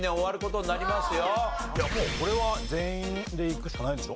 いやもうこれは全員でいくしかないでしょ？